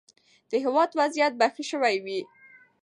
د هیواد وضعیت به ښه شوی وي.